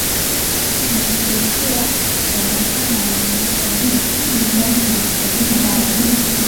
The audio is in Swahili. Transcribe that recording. Na kuchochea uhasama wa miaka mingi kati ya mataifa hayo.